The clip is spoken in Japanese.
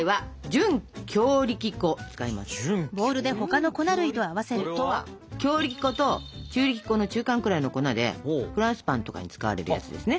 準強力粉とは強力粉と中力粉の中間くらいの粉でフランスパンとかに使われるやつですね。